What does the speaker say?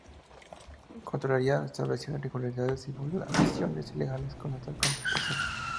Contraloría estableció irregularidades y violaciones legales en esta contratación.